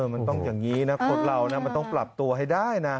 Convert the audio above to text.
มันต้องอย่างนี้นะคนเรานะมันต้องปรับตัวให้ได้นะ